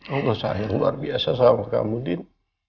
allah sayang luar biasa sama kamu din